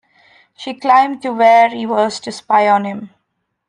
She climbed to where he was to spy on him.